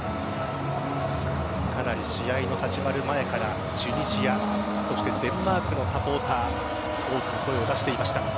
かなり試合の始まる前からチュニジアそしてデンマークのサポーターが大きな声を出していました。